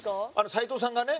斉藤さんがね